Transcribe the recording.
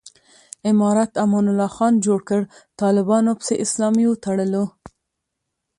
امارت امان الله خان جوړ کړ، طالبانو پسې اسلامي وتړلو.